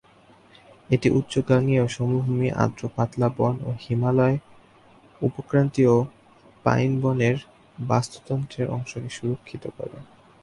এটি উচ্চ গাঙ্গেয় সমভূমি আর্দ্র পাতলা বন এবং হিমালয় উপক্রান্তীয় পাইন বনের বাস্তুতন্ত্রের অংশকে সুরক্ষিত করে।